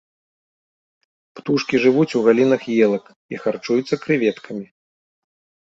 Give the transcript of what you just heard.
Птушкі жывуць у галінах елак і харчуюцца крэветкамі.